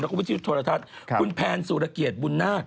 และคุณวิทยุโธรทัศน์คุณแพนสุรเกียรติบุญนาค